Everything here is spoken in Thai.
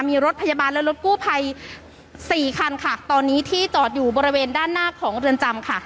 มีรถพยาบาลและรถกู้ภัยสี่คันค่ะตอนนี้ที่จอดอยู่บริเวณด้านหน้าของเรือนจำค่ะ